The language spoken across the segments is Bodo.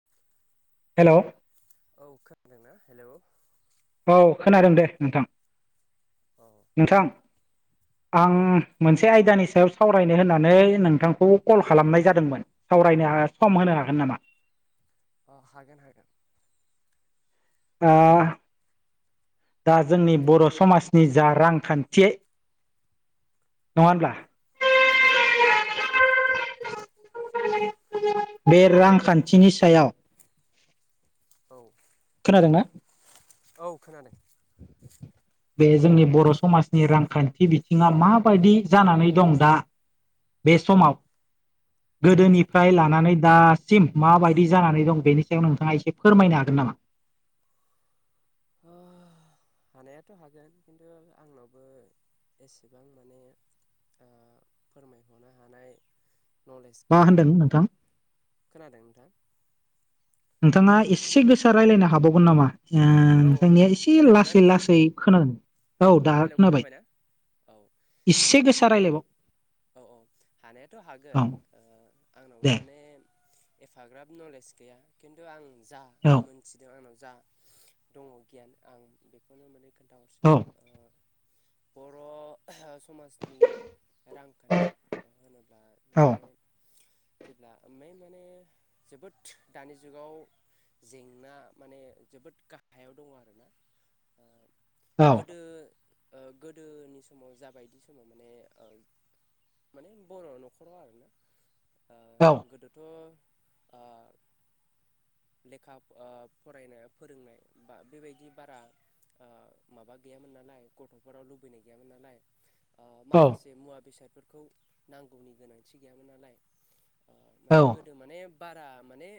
[inaudible] हेलौ औ खोनादों ना हेलौ? औ खोनादों दे नोंथां औ नोंथां आं औ मोनसे आयदानि सायाव सावरायनो होननानै नोंथांखौ कल खालामनाय जादोंमोन। सावरायनो हाग सम होनो हागोन नामा? अ हागोन हागोन। ओ दा जोंनि बर' समाजनि जा रांखान्थि नङा औ होमब्ला [inaudible] औ नंगौ [inaudible] बे रांखान्थिनि सायाव औ खोनादोंना? औ खोनादों [inaudible] बे जोंनि बर' समाजनि रांखान्थि बिथिङा माबायदि जानानै दं दा बे समाव औ गोदोनिफ्राय लानानै दासिम माबायदि जानानै दं बेनि सायाव नोंथाङा एसे फोरमायनो हागोन नामा? आह हानायाथ' हागोन खिन्थु आंनावबो एसेबां माने ओ फोरमायहनो हानाय नलेज मा गैया, होनदों नोंथां खोनादों नोंथां? नोंथाङा एसे गोसा रायज्लायनो हाबावगोन नामा? ओम औ नोंथांनिया एसे खोनादोंना लासै नोंथां लासै खोनादों औ दा हेलौ खोनाबाय खोनाबायना औ एसे ओ गोसा हानाया रायलायबाव औ औ हानायाथ' औ हागोन ओ आंनावबो दे माने एफाग्राब नलेज गैया खिन्थु आं जा औ मोनथिदों आंनाव जा दङ गियान आं बेखौनो माने खोन्थाहरसै औ ओ बर' समाजनि रांखान्थि होनोब्ला औ माने जेब्ला मेन माने जोबोद दानि जुगाव जेंना माने जोबोद गा हायाव दङ आरोना ओ गोदो ओ गोदोनि समाव जाबायदि समाव माने ओ माने बर' न'खराव आरोना ओ औ गोदोथ' ओ लेखा ओ फरायनाय फोरोंनाय बा बेबायदि बारा ओ माबा गैयामोन नालाय गथ'फोराव लुबैनाय गैयामोन नालाय ओ औ माखासे मुवा बेसादफोरखौ नांगौनि गोनांथि गैयामोन नालाय ओ माने औ गोदो माने बारा माने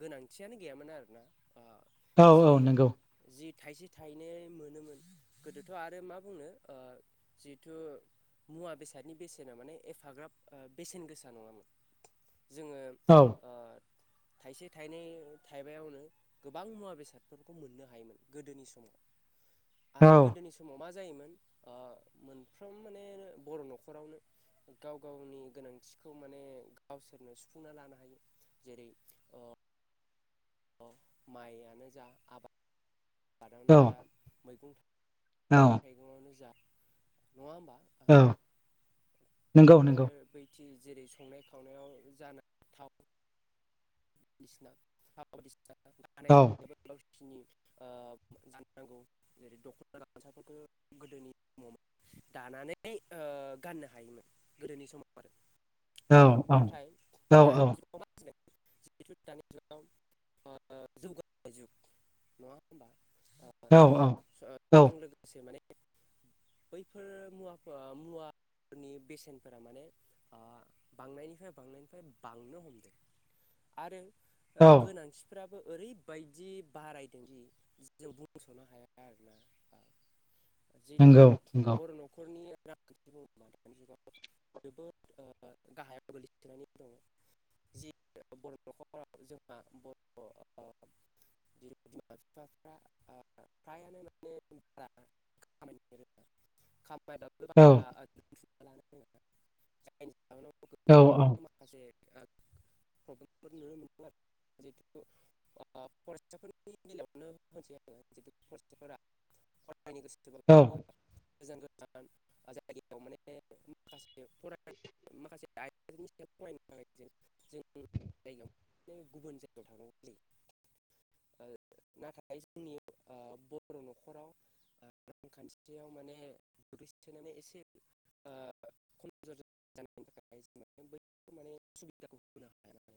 गोनांथियानो गैयामोन आरोना ओ औ जि औ नंगौ जि थाइसे थायनै मोनोमोन गोदोथ' आरो मा बुंनो ओ जिहेथु मुवा बेसादनि बेसेना माने एफाग्राब ओ बेसेन गोसा नङामोन। जोङो औ ओ थाइसे थाइनै थाइबायावनो गोबां मुंआ बे बेसाद फोरफोरखौ मोननो हायोमोन गोदोनि समाव औ आरो गोदोनि सम समाव मा जायोमोन ओ मोनफ्रोम माने बर' न'खरावनो गाव गावनि गोनांथिखौ माने गावसोरनो सुफुंना लानो हायो जेरै ओ माइआनो जा आबाद आबादनो औ जा मैगं थाइगं औ मैगंआनोजा नंङा होनबा औ नंगौ नंगौ आरो बै खि जेरै संनाय खावनायाव जानाय थाव औ [unintelligible] जेरै दखना गानसाफोरखौ गोदोनि [unintelligible] दानानै ओ गाननो हायोमोन गोदोनि समाव। आरो औ औ नाथाय औ दानि सुबुङा जिथु दानि जुगाव ओ जौगानाय जुग नङा होनबा ओ औ औ समजों लोगोसे माने बैफोर मुवाफ्रा मुवाफोरनि बेसेनफ्रा माने ओ बांनायनिफ्राय बांनायनिफ्राय बांनो हमदों। आरो ओ औ गोनांथि फोराबो ओरैबायदि बारायदों जि जों बुंस'नो हाया आरोना। नंगौ नंगौ जिहेथु बर' न'खरनि बुङोब्ला दानि जुगाव जोबोद गाहायाव ओ गोग्लैसोनानै दङ। जि बर' न'खराव जोंहा बर' ओ जोंनि बिमा बिफाफ्रा फ्रायानो औ औ माने औ [unintelligible] [unintelligible] माखासे ओ फोर नुनो मोनो जिहेथु फरायसाफोरनि बेलायावनो होनसै आङो जिहेथु फरायसाफोरा [unintelligible] औ गोजान गोजान जायगायाव माने माखासे फराय माखासे [unintelligible] सायाव फरायनो थाखाय जों जों जायगायाव गुबुन जायगायाव थांनांगौ जायो। ओ नाथाय जोंनि ओ बर' नखराव ओ रांखान्थियाव माने गोग्लैसोनानै एसे ओ खमजुरि जानायनि थाखाय जों बैफोर माने सुबिदाखौ [unintelligible]